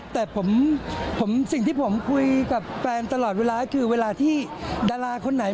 แต่ผมสิ่งที่ผมคุยกับแฟนตลอดเวลาคือเวลาที่ดาราคนไหน